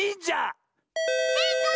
せいかい！